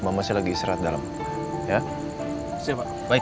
mama saya lagi israt dalam rumah saya